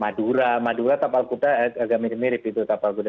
madura madura kapal kuda agak mirip mirip itu kapal kuda